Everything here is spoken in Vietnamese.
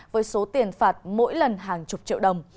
với số tiền phạt mỗi lần hàng chục triệu đồng